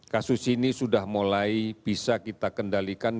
kasus ini sudah mulai bisa kita kendalikan